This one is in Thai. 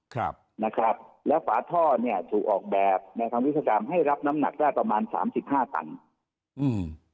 ครับนะครับแล้วฝาท่อเนี้ยถูกออกแบบในทางวิศกรรมให้รับน้ำหนักได้ประมาณสามสิบห้าตันอืม